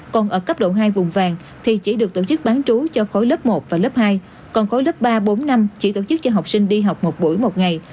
còn ở cấp độ hai vùng vàng thì chỉ được tổ chức bán trú cho khối lớp một và lớp hai còn khối lớp ba bốn năm chỉ tổ chức cho học sinh đi học một buổi một ngày